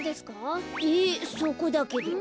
そこだけど。